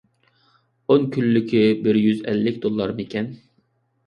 ئون كۈنلۈكى بىر يۈز ئەللىك دوللارمىكەن؟